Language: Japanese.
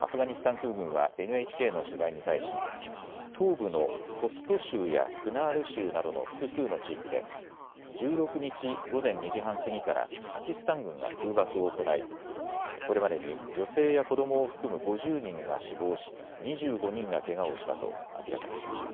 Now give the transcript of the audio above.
アフガニスタン空軍はＮＨＫの取材に対し東部のホスト州やクナール州などの複数の地域で１６日午前２時半過ぎからパキスタン軍が空爆を行いこれまでに女性や子どもを含む５０人が死亡し２５人がけがをしたと明らかにしました。